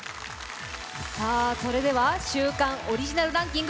それでは週間オリジナルランキング